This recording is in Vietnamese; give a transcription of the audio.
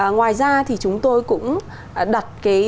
ngoài ra thì chúng tôi cũng đặt cái